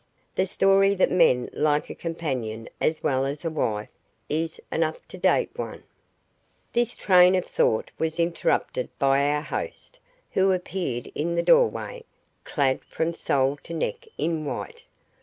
The story that men like a companion as well as a wife is an up to date one. This train of thought was interrupted by our host, who appeared in the doorway, clad from sole to neck in white.